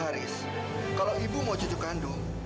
haris kalau ibu mau cucu kandung